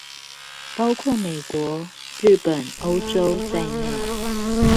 包括美國、日本、歐洲在內